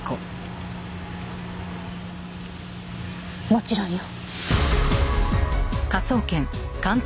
もちろんよ。